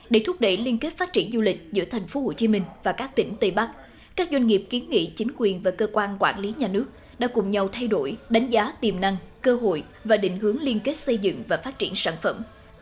để thúc đẩy liên kết phát triển du lịch giữa tp hcm và các tỉnh tây bắc các doanh nghiệp kiến nghị chính quyền và cơ quan quản lý nhà nước đã cùng nhau thay đổi đánh giá tiềm năng cơ hội và định hướng liên kết xây dựng và phát triển sản phẩm